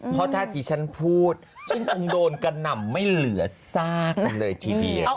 เพราะถ้าที่ฉันพูดฉันคงโดนกระหน่ำไม่เหลือซากกันเลยทีเดียว